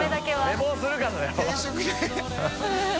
寝坊するからだよ。